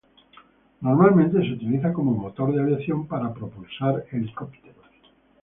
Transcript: Normalmente se utiliza como motor de aviación para propulsar helicópteros.